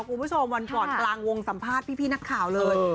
คุณผู้ชมวันก่อนกลางวงสัมภาษณ์พี่นักข่าวเลย